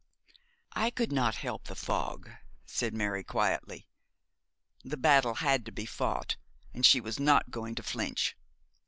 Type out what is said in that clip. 'I could not help the fog,' said Mary, quietly. The battle had to be fought, and she was not going to flinch.